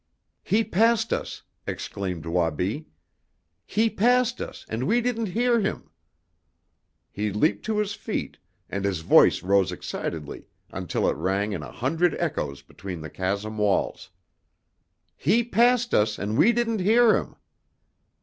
"He passed us!" exclaimed Wabi. "He passed us and we didn't hear him!" He leaped to his feet and his voice rose excitedly until it rang in a hundred echoes between the chasm walls. "He passed us, and we didn't hear him!"